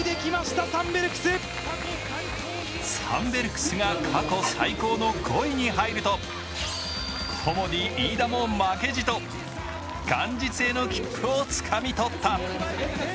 サンベルクスが過去最高の５位に入るとコモディイイダも負けじと元日への切符をつかみ取った。